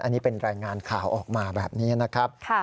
อันนี้เป็นรายงานข่าวออกมาแบบนี้นะครับ